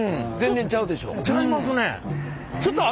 全然ちゃうでしょ？